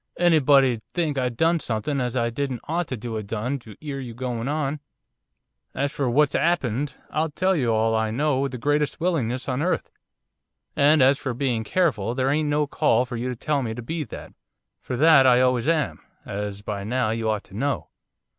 Anybody'd think I'd done something as I didn't ought to 'a' done to 'ear you going on. As for what's 'appened, I'll tell you all I know with the greatest willingness on earth. And as for bein' careful, there ain't no call for you to tell me to be that, for that I always am, as by now you ought to know.